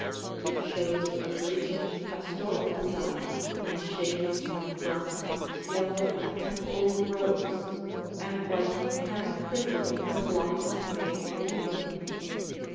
It shows a Grecian pastoral design in shades of brown, yellow, and old rose and was hand printed from blocks made in England.